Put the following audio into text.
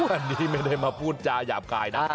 อันนี้ไม่ได้มาพูดจาหยาบกายนะ